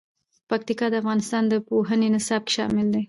پکتیا د افغانستان د پوهنې نصاب کې شامل دي.